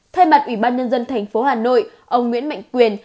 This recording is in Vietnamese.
thay mặt ủy ban nhân dân tp hà nội ông nguyễn mạnh quyền